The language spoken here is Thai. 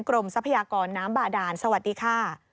ทรัพยากรน้ำบาดานสวัสดีค่ะ